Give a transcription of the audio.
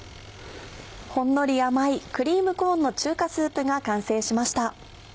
ほんのり甘いクリームコーンの中華スープが完成しました。